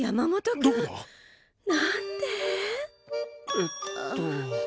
えっと。